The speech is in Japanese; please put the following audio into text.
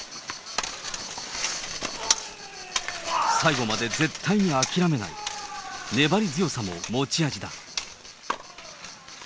最後まで絶対に諦めない粘り強さも持ち味だ。